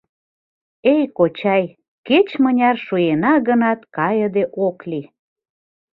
Эй, кочай, кеч-мыняр шуена гынат, кайыде ок лий.